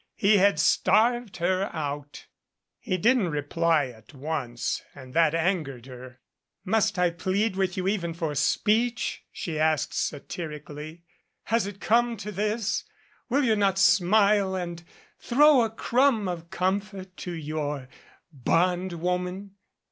He had starved her out. He didn't reply at once, and that angered her. "Must I plead with you even for speech?" she asked satirically. "Has it come to this? Will you not smile and throw a crumb of comfort to your bond woman?"